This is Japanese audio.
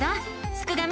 すくがミ